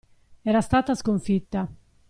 Era stata sconfitta.